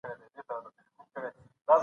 پخوا د دې ځواکونو ترمنځ ډېرې سيالۍ وې.